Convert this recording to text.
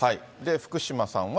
福島さんは。